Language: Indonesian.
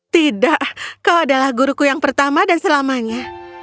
tidak kau adalah guruku yang pertama dan selamanya